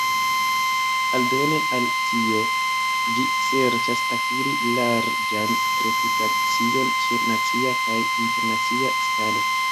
Aldone al tio, ĝi serĉas akiri larĝan reputacion sur nacia kaj internacia skalo.